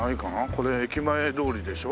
これ駅前通りでしょ？